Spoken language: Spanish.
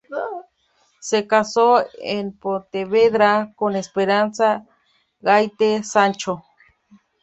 Se casó en Pontevedra con Esperanza Gaite Sancho.